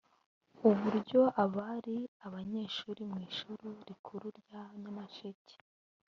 uburyo abari abanyeshuri mu ishuri rikuru ryanyamasheke